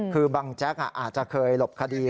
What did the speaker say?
คือบางแจ็คอ่ะอาจจะเคยหลบคดี